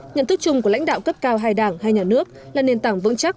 nhận thức chung của lãnh đạo cấp cao hai đảng hai nhà nước là nền tảng vững chắc